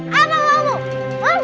hah apa kamu